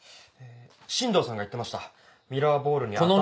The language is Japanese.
新藤さんが言ってました「ミラーボールに頭を」。